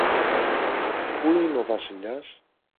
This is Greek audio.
Πού είναι ο Βασιλιάς;